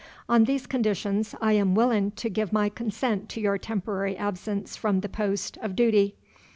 On these conditions I am willin' to give my consent to your temporary absence from the post of dooty.